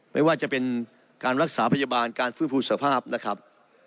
ไม่ว่าจะเป็นการรักษาพยาบาลการฟื้นฟูสภาพนะครับ